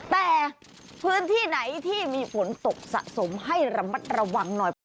แต่พื้นที่ไหนที่มีฝนตกสะสมให้ระมัดระวังหน่อย